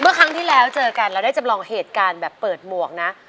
ครั้งที่แล้วเจอกันเราได้จำลองเหตุการณ์แบบเปิดหมวกนะ